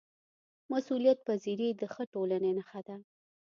مسؤلیتپذیري د ښه ټولنې نښه ده